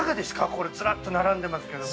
これ、ずらっと並んでますけど。